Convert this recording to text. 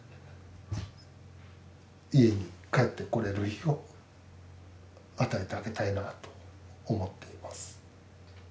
家に帰ってこれる日を与えてあげたいかなと思っています。